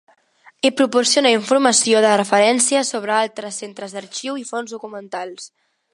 I proporciona informació de referència sobre altres centres d’arxiu i fons documentals.